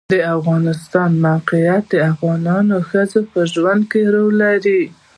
د افغانستان د موقعیت د افغان ښځو په ژوند کې رول لري.